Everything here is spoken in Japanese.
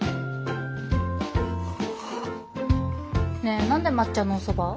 ねえ何で抹茶のお蕎麦？